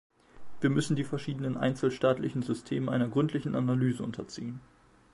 Wir müssen die verschiedenen einzelstaatlichen Systeme einer gründlichen Analyse unterziehen.